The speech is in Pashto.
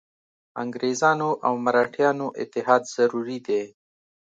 انګرېزانو او مرهټیانو اتحاد ضروري دی.